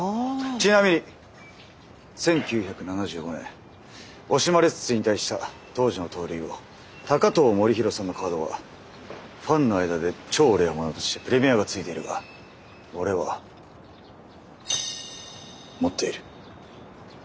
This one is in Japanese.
ちなみに１９７５年惜しまれつつ引退した当時の盗塁王高東守博さんのカードはファンの間で超レアものとしてプレミアがついているが俺は持っている。